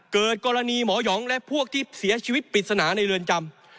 เกิดกรณีหมอหองและพวกที่เสียชีวิตปริศนาในเรือนจำ